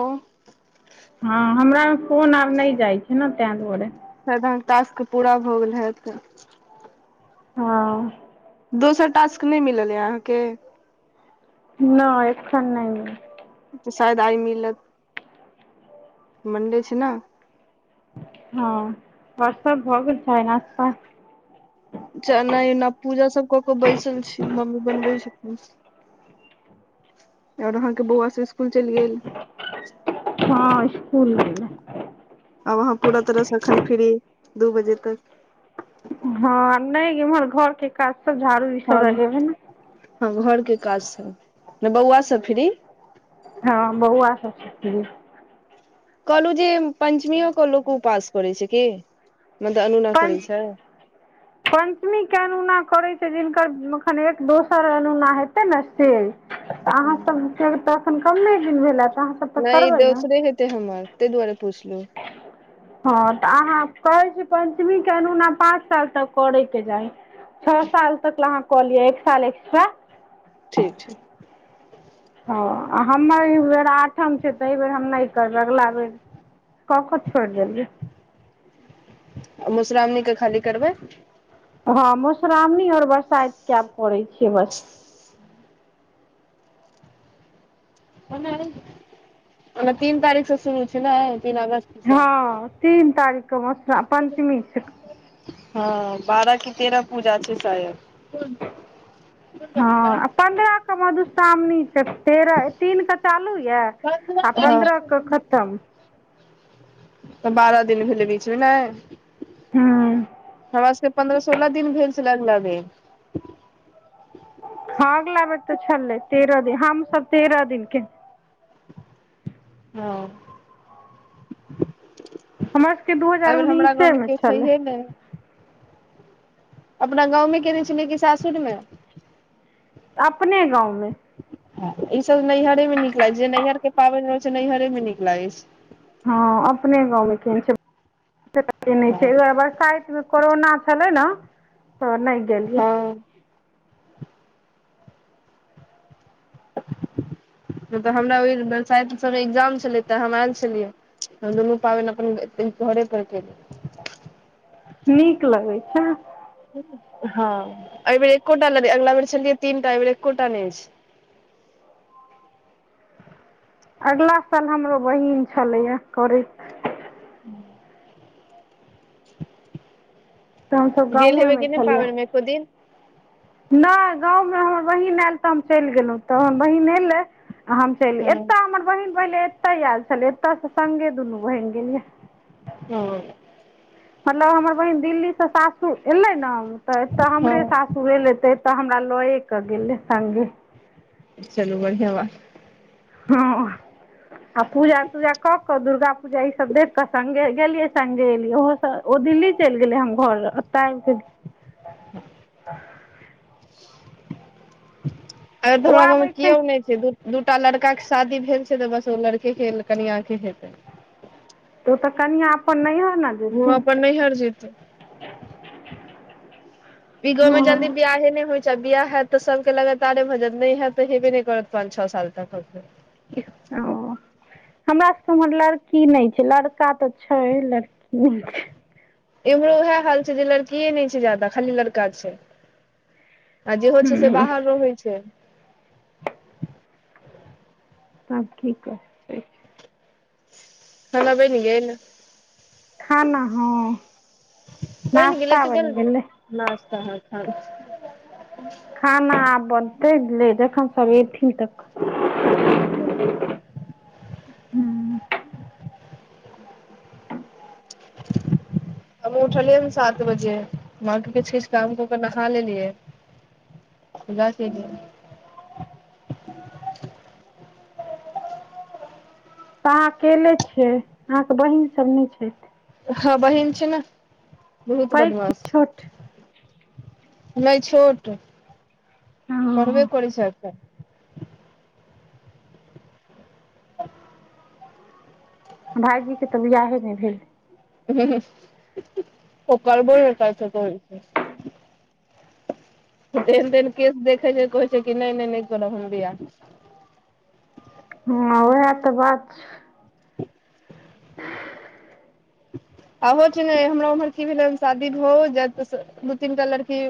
ओं- हँ हमरा मे फोन आब नै जाय छै नऽ तेंए दुआरे। सरधा आहाँ टास्क पूरा भऽ गेल हेएत। हँ। दोसर टास्क नै मिलल यै आहाँके? नैय एखन नैय मिललै। तऽ शायद आय मिलत मंडे छै नऽ। हँ और सब भऽ गेल छै चाय नास्ता? चा नै एना पूजा सब कऽ के बैसल छी मम्मी बनबै छथिन। और आहाँके बौआ सब स्कुल चैल गेल? हँ स्कुल गेलै? आब आहाँ पूरा तरह सँ अखन फ्री दू बजे तक। हँ नैय इम्हर घर के काज सब झाड़ू। [unintelligible] हँ घ ने हँ घर के काज सब ने बौआ सऽ फ्री। हँ बौआ सब सऽ फ्री। कहलहु जे पंचमीयो के लोक उपास करेै छै की मतलब अनुना करै छै? पञ्चमी के अनुना करै छै जिनकर मखन एक दोसर अनुना हेतै ने से। तऽ आहाँ सबके तऽ एखन कमे दिन भेलए आहाँ त तऽ। नैय करबै ने दोसरे हेतेै हमर तैय दुआरे पुछलौ। हँ तऽ आहाँ कहै छी पञ्चमी के अनुना पाँच साल तक करैके चाही। छ साल तक कऽ ला आहाँ कलिअ एक साल एकस्ट्रा। ठीक छै। हँ आ हमर एय बेर आठम छै तऽ एय बेर हम नै करबै अगिला बेर- ककर छोड़ देलियै? मोश्रावणीे के खाली करबै। हां माेश्रामनी और बरसाएत के आब करे छियै बस। ओना अय ओना तीन तारीक से शुरू छै ने तीन अगस्त से हां तीन तारीक के मोशरा पंचमी छै। हां बारअ की तेरअ पूजा छै शायद। हां आ पन्द्रअ के मधुश्रावणी छै। तेरअ ए तीन के चालू यऽ आ हँ पन्द्रअ के खतम। तऽ बारअ दिन भेलै बीच मे नै। हूँ। हमरा सबके पन्द्रअ सोलअ दिन भेल छला अगला बेर। हां अगला बेर तऽ छलै तेरअ दिन, हम सब तेरअ दिन के। हां। हमर सबके दू हजार एबेेर हमरा गाँव उन्नीसे मे कियो छलै छैहये नै। अपना गााँव मे केने छलियै कि सासुर मे। अपने गाँव मे। हां ई सब नैयहरे मे नीक लागै छै जे नैयहर के पाबैन हय छै, नैयहरे मे नीक लागै छै। हां अपने गाँव मे केन छै [unintelligible] नै छै उहाए बर साएत मे कोरोना छलै ने तऽ नै गेलियै। हँ नै ते हमरा होय रहै बरसाएत सब मे इग्जाम छलै तऽ हम आएल छलियै। हम दुनू पाबैन अपन उम्म घरे पर केलु। नीक लगै छै। हां एबेर एकोटा लगे, अगला बेर छलियै तीनटा एबेर एकोटा नै एछ। अगला साल हमरो बहिन छलैया करै हां। [inaudible] तऽ हम सब गेल गाँवे हेबै मे कि नहि छलियै। पाबनिमे एको दिन नै गाँव मे हमर बहिन आएल तऽ हम चैल गेलौ तहन बहिन एलै। हम चैल हँ एता हमर बहिन पहिले एते आएल छलै, एता से संगे दुनू बहिन गेलये। औ। मतलब हमर बहिन दिल्ली से सासुर एलै ना। तऽ एतऽ हमरे हँ सासुर एले तऽ एता हमरा लए कऽ गेलै संगे। चलु बढ़ियाँ बात। हां आ पूजा-तूजा कऽ क दुर्गा पूजा ई सब देख कऽ संगे गेलियै। संगे एलिये ओहो से ओ दिल्ली चैल गेले हम घर ओता आएब के अब ते ओ हमरा घर मे आबै कियो नै तऽ छै, दू, दूटा लड़का के शादी भेल छै तऽ बस ओ लड़के के कनिया के हेतै। ओ तऽ कनिया अपन नैयहर ना उहो अपन नैयहर जेतै। [inaudible] ई गांव मे जल्दी ओ बियाहे नै होय छै आ बियाह हैत तऽ सबके लगातारे भऽ जाएत नै हैत त हेबे नै करत पान छ साल तक अखन। [inaudible] हमरा सबके उम्हर लड़की नै छै, लड़का तऽ छै, लड़की नै छै। इम्हरो उहाए हाल छै जे लड़किये नै छै जादा, खाली लड़का छै। आ जेहो छै से हँ बाहर रहै छै। आब की कही। खाना बैन गेल? खाना हँ, बनि गेलै नास्ता तऽ बनि गेल गेलै। नास्ता हं खा खाना आब बनतै ले, जखन सब एथिन तखन। [inaudible] हम उठलियै सात बजे मां के किछ किछ काम क कर नहा लेलियै। इा क [inaudible] त अहां अकेले छियै अहाँके बहिन सब नै छैथ। हँ बहिन छै ने, बहुत पैघ कि बदमास छै। छोट नहि छोट, पढ़बे हँ करैत छै अखैन भाायजी के तऽ वियाहे ने भेलै। ऊं हूं ओ करबो नहि करै छथि ओहिसे। ओ तेहन तेहन केस देखै छै कहै छै कि नहि नहि नहि करब हम बियाह। हँ वैह तऽ बात छै। ओहो छै ने हमरा उम्हर की भेलै शादी भोहो जैत दू तीनटा लड़की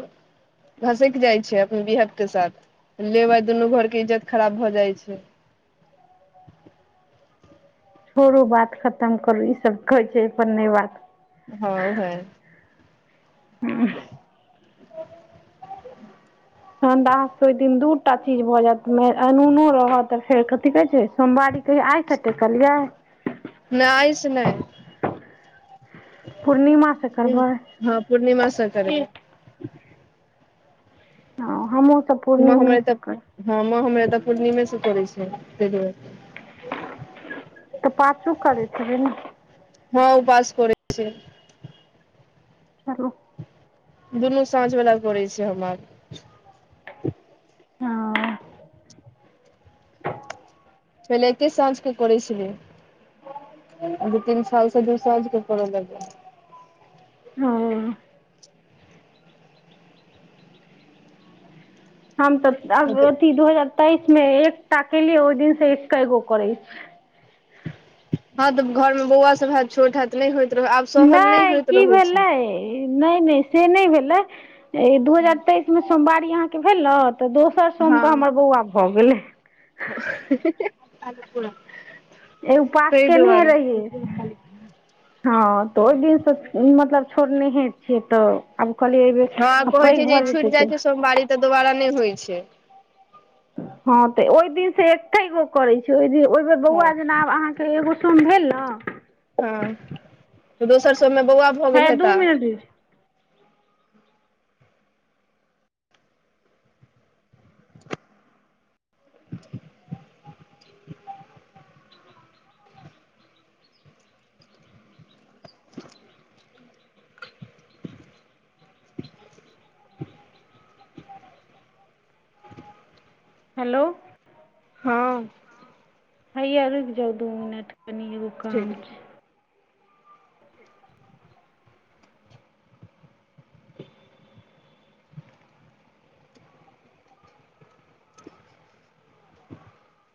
घसैक जाइ छै अपने बिहद के साथ लेबा दुनू घर के इज्जत खराब भऽ जाइ छै। छोड़ू बात खतम करू ई सब कहै छै ओ पर नहि बात। हँ भाई। ह [inaudible] तेखैन त अहां सब के दूटा चीज भऽ जायत, अनूनो रहत फेर कथी कहै छै सोमवारी कहियो आइ कते केलियै। ने आई स नहि [unintelligible] पूर्णिमा के करबै। हँ पूर्णिमा से करबै। हँ हमहुं सब म हमर तऽ [unintelligible] हँ मा हमर एतऽ पूर्णिमे से करै छियै, ऐ बेर। तऽ पाछू करै छीहीन। हँ उपास करै छियै। हलो। दुनू साँझ वला करे छै हमरा आर। हां। पहिले एके संझके करै छलियै। दू तीन सालसँ दू सांझ के करऽ लगलियै। हँ। हम तऽ हँ अब अथि दू हजार तेइस मे एकटा केलियै ओहि दिन से एके गो करै छी। हँ तऽ घर मे बौआ सभ हेत छोट हेत नहि होइत रहै आब सहल नहि होइत की रहैत छै। भेलै नहि नहि से नहि भेलै दू हजार तेइस मे सोमवारी अहाँ के भेल ने तऽ दोस र सोम के हमर बौआ भऽ गेल। ही ही ही। ऊं उपास केने रहियै हँ तऽ ओहि दिन सं मतलब छोड़नेहे छियै तऽ आब कहलियै एहिबेर हँ आ कहै पैघ छै जे भऽ ई जेतै छूटि जाइ तऽ छै सोमवारी तऽ दोबारा नहि होइ छै। हँ तऽ ओहि दिन से एके गो करै छियै, ओहि दिन हँ बौआ जेना अहाँके एगो सोम भेल न। हँ त दोसर सबमे बौआ भ हइया दू मिनटी रुक हेलो हँ हैया रुइक जाउ दू मिनट कनी एगै ठीक काम है। छै [inaudible] [inaudible]